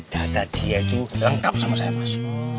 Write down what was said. data dia itu lengkap sama saya mas